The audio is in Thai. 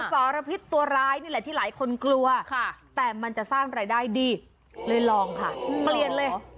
สารพิษตัวร้ายนี่แหละที่หลายคนกลัวแต่มันจะสร้างรายได้ดีเลยลองค่ะเปลี่ยนเลย